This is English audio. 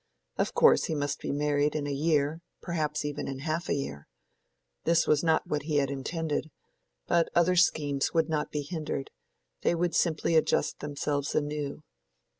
Of course he must be married in a year—perhaps even in half a year. This was not what he had intended; but other schemes would not be hindered: they would simply adjust themselves anew.